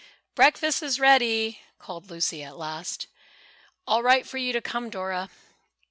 "Breakfast is ready," called Lucy at last. "All right for you to come, Dora."